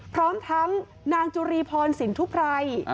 พร้อมทั้งนางจุรีพรสินทุไพร